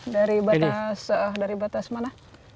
dari batas mana